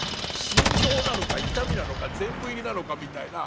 振動なのか痛みなのか全部入りなのかみたいな。